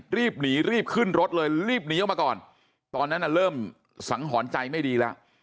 รีบหนีรีบขึ้นรถเลยรีบหนีออกมาก่อนตอนนั้นเริ่มสังหรณ์ใจไม่ดีแล้ว